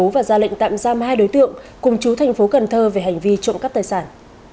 và ra lệnh tạm giam hai đối tượng cùng chú thành phố cần thơ về hành vi trộm cắp tài sản